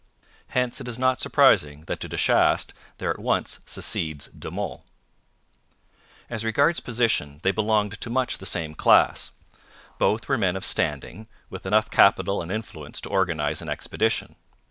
Hence it is not surprising that to De Chastes there at once succeeds De Monts. As regards position they belonged to much the same class. Both were men of standing, with enough capital and influence to organize an expedition.